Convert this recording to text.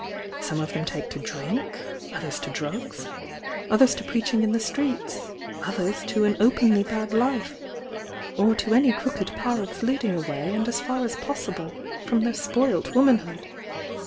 Some of them take to drink — others to drugs — others to preaching in the streets — others to an openly bad life, — or to any crooked paths leading away and as far as possible from their spoilt womanhood.